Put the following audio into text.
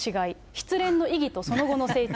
失恋の意義とその後の成長。